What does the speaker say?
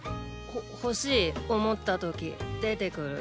ほほしい思ったとき出てくる。